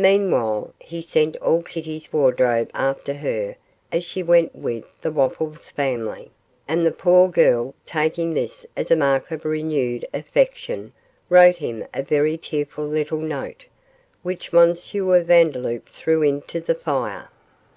Meanwhile he sent all Kitty's wardrobe after her as she went with the Wopples family, and the poor girl, taking this as a mark of renewed affection, wrote him a very tearful little note, which M. Vandeloup threw into the fire.